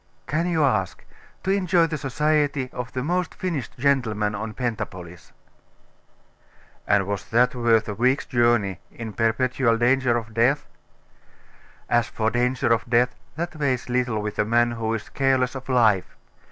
'Can you ask? To enjoy the society of the most finished gentleman of Pentapolis.' 'And was that worth a week's journey in perpetual danger of death?' 'As for danger of death, that weighs little with a man who is careless of life.